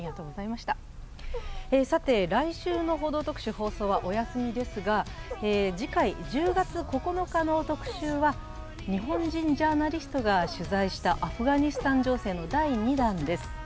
来週の「報道特集」、放送はお休みですが、次回１０月９日の特集は日本人ジャーナリストが取材したアフガニスタン情勢の第２弾です。